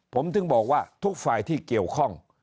ผมถึงบอกว่าทุกฝ่ายที่เกี่ยวข้อง